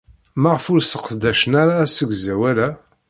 Maɣef ur sseqdacen ara asegzawal-a?